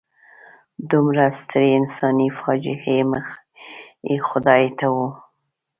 دومره سترې انساني فاجعې مخ یې خدای ته و.